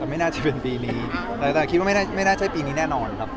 ไม่น่าจะเป็นปีนี้แต่คิดว่าไม่น่าใช่ปีนี้แน่นอนครับ